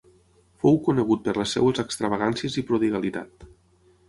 Fou conegut per les seves extravagàncies i prodigalitat.